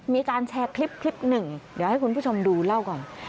มีการแชร์คลิปคลิปหนึ่งเดี๋ยวให้คุณผู้ชมดูเล่าก่อน